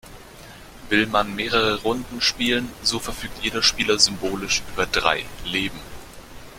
Will man mehrere Runden spielen, so verfügt jeder Spieler symbolisch über drei "Leben".